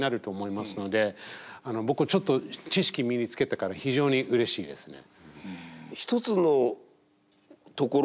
僕ちょっと知識身につけたから非常にうれしいですね。